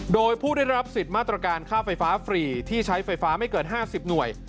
โดยผู้ได้รับสิทธิ์มาตรการค่าไฟฟ้าฟรีที่ใช้ไฟฟ้าไม่เกิน๕๐หน่วย